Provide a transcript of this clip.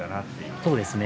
そうですね。